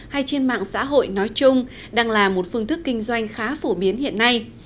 hay trên mạng xã hội nói chung đang là một phương thức kinh doanh khá phổ biến hiện nay